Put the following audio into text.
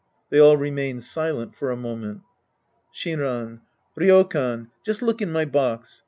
{They all remain silent for a moifient.) Shinran. Ryokan, just look in my box.